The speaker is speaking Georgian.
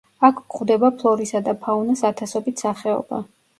აქ გვხვდება ფლორისა და ფაუნას ათასობით სახეობა.